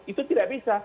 itu tidak bisa